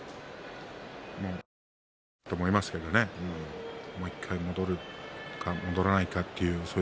気持ち次第だと思いますけれどももう１回、戻るか戻らないかという。